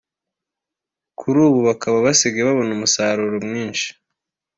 kuri ubu bakaba basigaye babona umusaruro mwinshi